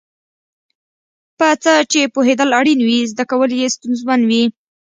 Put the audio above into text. په څه چې پوهېدل اړین وي زده کول یې ستونزمن وي.